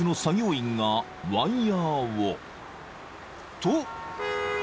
［と］